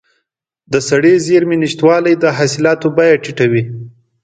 د سړې زېرمې نشتوالی د حاصلاتو بیه ټیټوي.